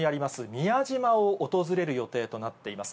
宮島を訪れる予定となっています。